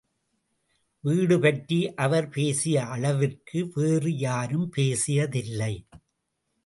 வீடுபற்றி அவர் பேசிய அளவிற்கு வேறு யாரும் பேசியதில்லை.